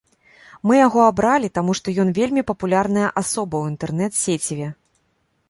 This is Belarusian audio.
Мы яго абралі таму, што ён вельмі папулярная асоба ў інтэрнэт-сеціве.